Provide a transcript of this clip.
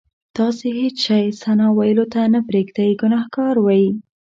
تاسې هېڅ شی ثنا ویلو ته نه پرېږدئ ګناهګار وئ.